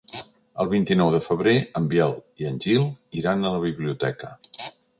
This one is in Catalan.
El vint-i-nou de febrer en Biel i en Gil iran a la biblioteca.